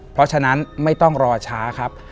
เพราะฉะนั้นไม่ต้องรอช้าครับ